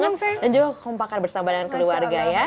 mbak gaz semoga berjaya makan bersama dengan keluarga ya